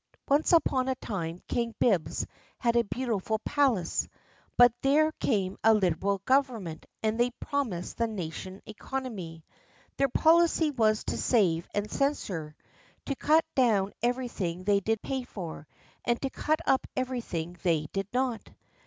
Once upon a time King Bibbs had a beautiful palace; but there came a Liberal Government, and they promised the nation economy. Their policy was to save and censure, to cut down everything they did pay for, and to cut up everything they did not.